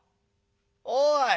おい。